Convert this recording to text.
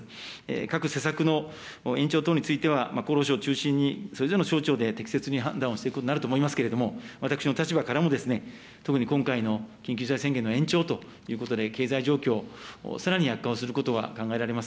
各施策の延長等については厚労省を中心に、それぞれの省庁で適切に判断をすることになると思いますけれども、私の立場からも、特に今回の緊急事態宣言の延長ということで、経済状況、さらに悪化をすることは考えられます。